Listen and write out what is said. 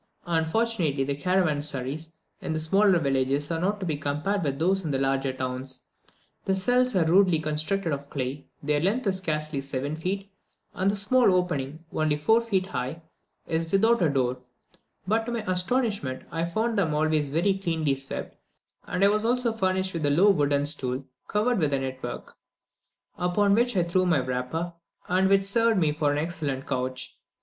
Unfortunately, the caravansaries in the smaller villages are not to be compared with those in the larger towns; the cells are rudely constructed of clay, their length is scarcely seven feet, and the small opening, only four feet high, is without a door; but, to my astonishment, I found them always very cleanly swept, and I was also furnished with a low wooden stool, covered with network, upon which I threw my wrapper, and which served me for an excellent couch.